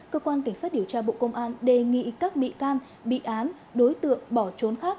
cơ quan cảnh sát điều tra bộ công an đề nghị các bị can bị án đối tượng bỏ trốn khác